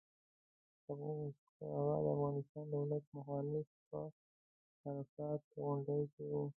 که هغه د افغانستان دولت مخالف په عرفات غونډۍ کې و.